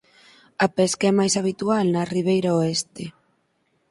A pesca é máis habitual na ribeira oeste.